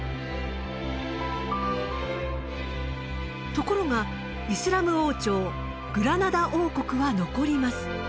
ところがイスラム王朝グラナダ王国は残ります。